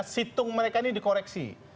situng mereka ini dikoreksi